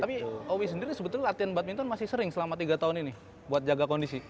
tapi owi sendiri sebetulnya latihan badminton masih sering selama tiga tahun ini buat jaga kondisi